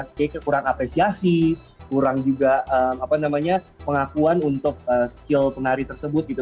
seperti kurang apresiasi kurang juga pengakuan untuk skill penari tersebut gitu